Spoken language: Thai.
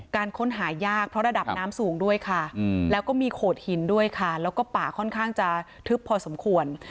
การค้นหายากเพราะระดับน้ำสูงด้วยค่ะแล้วก็มีโขดหินด้วยค่ะแล้วก็ป่าค่อนข้างจะทึบพอสมควร